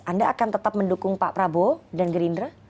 anda akan tetap mendukung pak prabowo dan gerindra